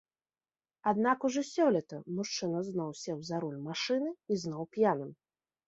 Аднак ужо сёлета мужчына зноў сеў за руль машыны і зноў п'яным.